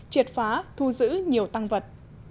triệt phá thu giữ nhiều tăng vật